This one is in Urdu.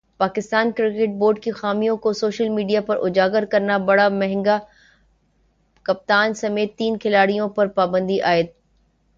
پاکستان کرکٹ بورڈ کی خامیوں کو سوشل میڈیا پر اجاگر کرنا پڑا مہنگا ، کپتان سمیت تین کھلاڑیوں پر پابندی عائد